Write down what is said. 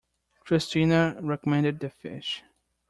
Christina recommended the fish.